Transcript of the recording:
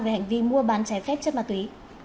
về hành vi mua bán trái phép chất ma túy